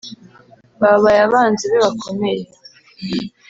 babaye abanzi be bakomeye